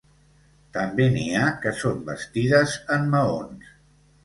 També n'hi ha que són bastides en maons.